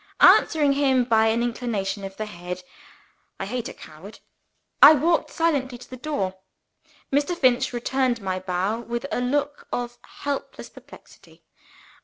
Answering him by an inclination of the head (I hate a coward!) I walked silently to the door. Mr. Finch returned my bow with a look of helpless perplexity.